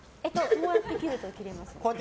こうやって切ったら切れます。